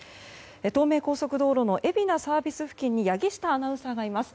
東名高速道路の海老名ＳＡ付近に柳下アナウンサーがいます。